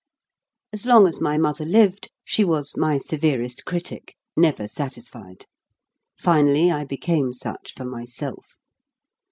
As long as my mother lived she was my severest critic, never satisfied. Finally I be came such for myself.